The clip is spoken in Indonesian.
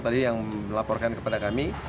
tadi yang melaporkan kepada kami